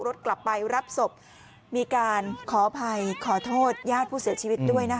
กลับไปรับศพมีการขออภัยขอโทษญาติผู้เสียชีวิตด้วยนะคะ